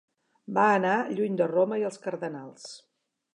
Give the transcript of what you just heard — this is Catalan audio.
Va anar lluny de Roma i els cardenals.